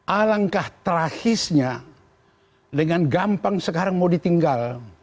alangkah terakhirnya dengan gampang sekarang mau ditinggal